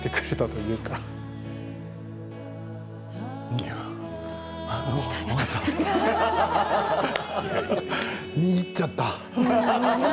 見入っちゃった。